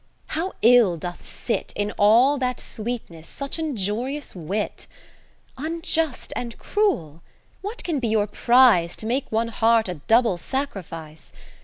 how ill doth sit In all that sweetness, such injurious Wit ! Unjust and Cruel ? what can be your prize. To make one heart a double Sacrifice